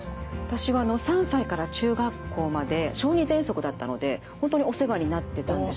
私は３歳から中学校まで小児ぜんそくだったので本当にお世話になってたんです。